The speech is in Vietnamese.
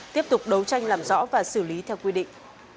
tiếp tục đấu tranh làm rõ và xử lý theo quy định